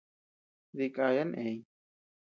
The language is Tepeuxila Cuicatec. Dikayan eñ.